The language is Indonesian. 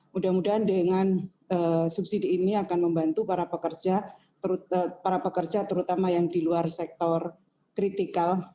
mudah mudahan dengan subsidi ini akan membantu para pekerja para pekerja terutama yang di luar sektor kritikal